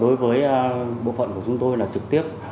đối với bộ phận của chúng tôi là trực tiếp